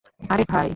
আরে, ভাই।